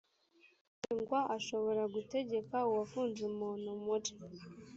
aregwa ashobora gutegeka uwafunze umuntu muri